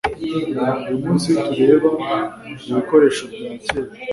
Uyu munsi tureba ibikoresho bya kera